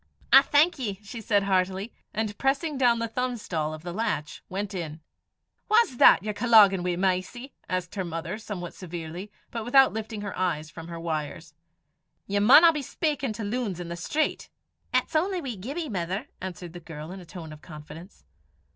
"I thank ye," she said heartily, and pressing down the thumbstall of the latch, went in. "Wha's that ye're colloguin' wi', Mysie?" asked her mother, somewhat severely, but without lifting her eyes from her wires. "Ye maunna be speykin' to loons i' the street." "It's only wee Gibbie, mither," answered the girl in a tone of confidence.